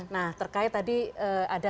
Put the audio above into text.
nah terkait tadi ada